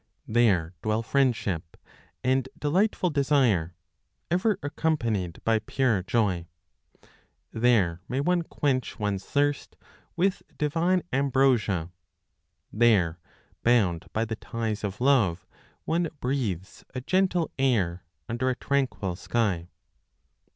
There dwell friendship, and delightful desire, ever accompanied by pure joy; There may one quench one's thirst with divine ambrosia; There bound by the ties of love, one breathes a gentle air, under a tranquil sky.